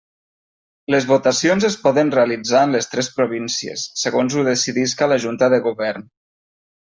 Les votacions es poden realitzar en les tres províncies, segons ho decidisca la Junta de Govern.